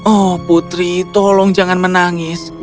oh putri tolong jangan menangis